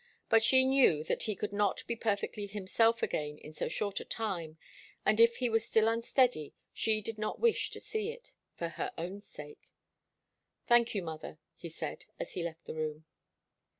But she knew that he could not be perfectly himself again in so short a time, and if he was still unsteady, she did not wish to see it for her own sake. "Thank you, mother," he said, as he left the room.